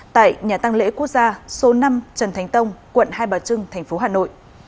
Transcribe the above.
tại nhà tăng lễ quốc gia số năm trần thánh tông quận hai bà trưng tp hà nội